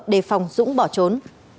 để phòng dũng bỏ trốn